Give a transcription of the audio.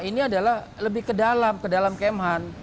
ini adalah lebih ke dalam kemhan